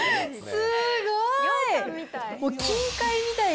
すごい！